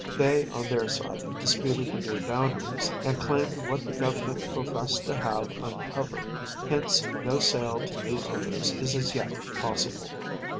They on their side disputed the new boundaries, and claimed what the Government professed to have uncovered. Hence no sale to new owners is as yet possible.